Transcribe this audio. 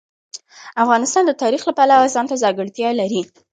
افغانستان د تاریخ د پلوه ځانته ځانګړتیا لري.